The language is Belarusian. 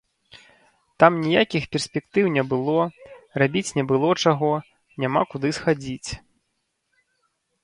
Там ніякіх перспектыў не было, рабіць не было чаго, няма куды схадзіць.